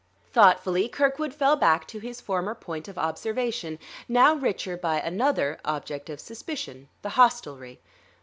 Thoughtfully Kirkwood fell back to his former point of observation, now the richer by another object of suspicion, the hostelry.